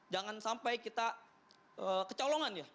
jangan sampai kita kecolongan